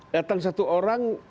datang satu orang